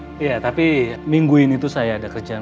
ya kan ya tapi minggu ini tuh saya ada kerjaan